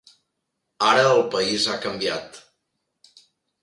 Ara el país ha canviat.